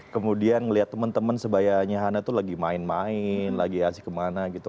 kemudian ngelihat temen temen sebaya nya hana tuh lagi main main lagi asyik kemana gitu